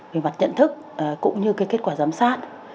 về mặt nhận thức cũng như cái kết quả giám sát